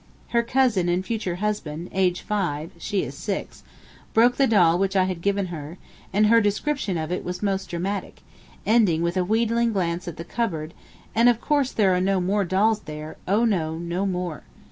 Her cousin and future husband, age five (she is six), broke the doll which I had given her, and her description of it was most dramatic, ending with a wheedling glance at the cupboard and 'of course there are no more dolls there; oh no, no more.